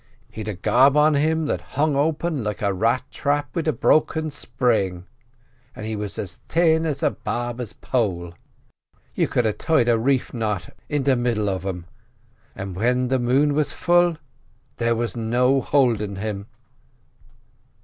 He'd a gob on him that hung open like a rat trap with a broken spring, and he was as thin as a barber's pole, you could a' tied a reef knot in the middle of 'um; and whin the moon was full there was no houldin' him."